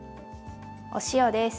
お塩です。